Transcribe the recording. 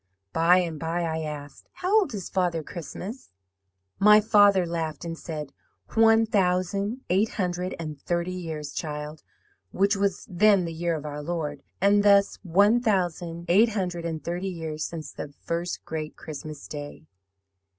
"By and by I asked, 'How old is Father Christmas?' "My father laughed, and said, 'One thousand eight hundred and thirty years, child,' which was then the year of our Lord, and thus one thousand eight hundred and thirty years since the first great Christmas Day.